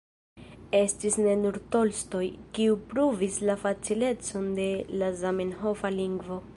Estis ne nur Tolstoj, kiu pruvis la facilecon de la zamenhofa lingvo.